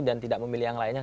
dan tidak memilih yang lainnya